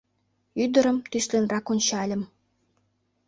Ӱдырым тӱсленрак ончальым.